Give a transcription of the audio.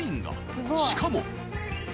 しかも。